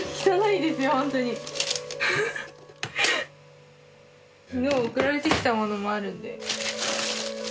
昨日送られてきたものもあるんで。